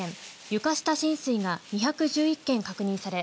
床下浸水が２１１件確認され